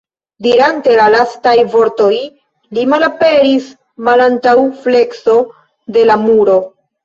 Dirante la lastajn vortojn, li malaperis malantaŭ flekso de la muro.